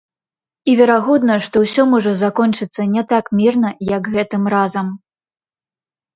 І верагодна, што ўсё можа закончыцца не так мірна, як гэтым разам.